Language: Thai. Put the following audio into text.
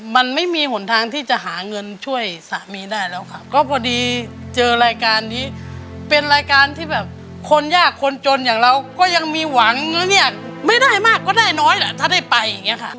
มันไม่มีหนทางที่จะหาเงินช่วยสามีได้แล้วค่ะก็พอดีเจอรายการนี้เป็นรายการที่แบบคนยากคนจนอย่างเราก็ยังมีหวังนะเนี่ยไม่ได้มากก็ได้น้อยแหละถ้าได้ไปอย่างเงี้ค่ะ